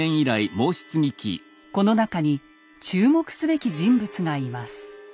この中に注目すべき人物がいます。